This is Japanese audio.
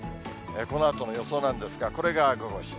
このあとの予想なんですが、これが午後７時。